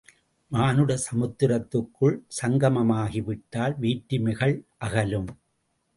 மானிட சமுத்திரத்துக்குள் சங்கமமாகி விட்டால் வேற்றுமைகள் அகலும்!